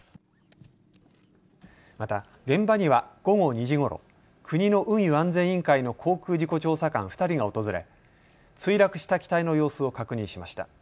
また現場には午後２時ごろ、国の運輸安全委員会の航空事故調査官２人が訪れ墜落した機体の様子を確認しました。